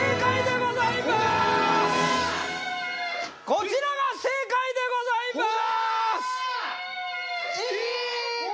こちらが正解でございまーす！